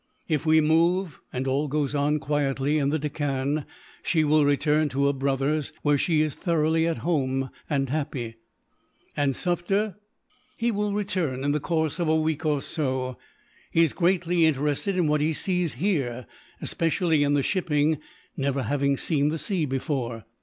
If we move, and all goes on quietly in the Deccan, she will return to her brother's, where she is thoroughly at home and happy." "And Sufder?" "He will return, in the course of a week or so. He is greatly interested in what he sees here, especially in the shipping, never having seen the sea before.